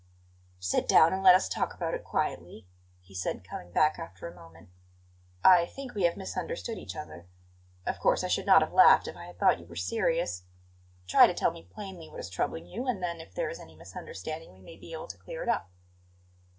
"Sit down and let us talk about it quietly," he said, coming back after a moment. "I think we have misunderstood each other; of course I should not have laughed if I had thought you were serious. Try to tell me plainly what is troubling you; and then, if there is any misunderstanding, we may be able to clear it up."